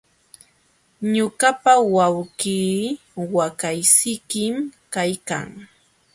Ñuqapa wawqii waqaysikim kaykan.